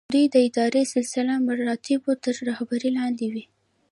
دوی د اداري سلسله مراتبو تر رهبرۍ لاندې وي.